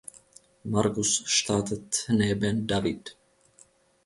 Marcus startet neben David.